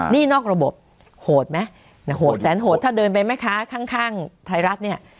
นี่นอกระบบโหดไหมโหดแสนโหดถ้าเดินไปแม่ค้าข้างไทยรัฐเนี่ย